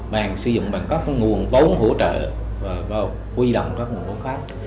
bạn sử dụng bằng các nguồn vóng hỗ trợ và quy động các nguồn vóng khác